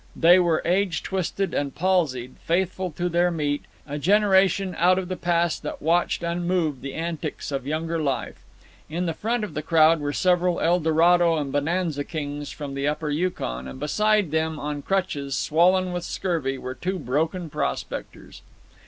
They were age twisted and palsied, faithful to their meat, a generation out of the past that watched unmoved the antics of younger life. In the front of the crowd were several Eldorado and Bonanza kings from the Upper Yukon, and beside them, on crutches, swollen with scurvy, were two broken prospectors.